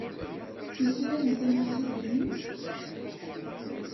Tettmeslayem tamasidunit?